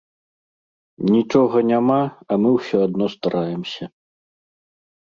Нічога няма, а мы ўсё адно стараемся.